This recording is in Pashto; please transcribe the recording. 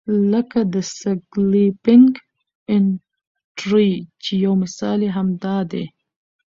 لکه د سکیلپنګ انټري چې یو مثال یې هم دا دی.